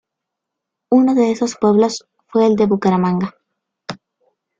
Uno de esos pueblos fue el de Bucaramanga.